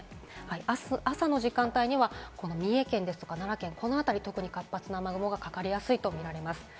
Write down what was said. あす朝の時間帯には、三重県、奈良県、この辺り特に活発な雨雲がかかりやすいと見られます。